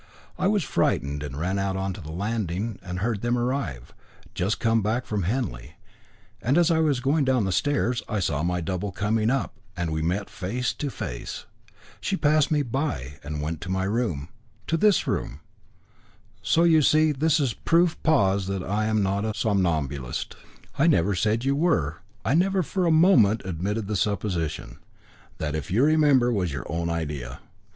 I was frightened, and ran out to the landing and I heard them arrive, just come back from Henley, and as I was going down the stairs, I saw my double coming up, and we met face to face. She passed me by, and went on to my room to this room. So you see this is proof pos that I am not a somnambulist." "I never said that you were. I never for a moment admitted the supposition. That, if you remember, was your own idea.